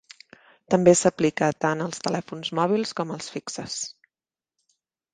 També s'aplica tant als telèfons mòbils com als fixes.